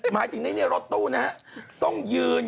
หมายถึงในนี่รถตู้เนี่ยต้องยืน